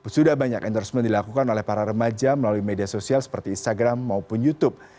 sudah banyak endorsement dilakukan oleh para remaja melalui media sosial seperti instagram maupun youtube